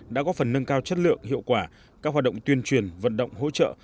đã có phần nâng cao chất lượng hiệu quả các hoạt động tuyên truyền vận động hỗ trợ